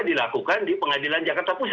dilakukan di pengadilan jakarta pusat